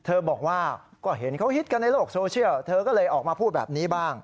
บอกว่าก็เห็นเขาฮิตกันในโลกโซเชียลเธอก็เลยออกมาพูดแบบนี้บ้าง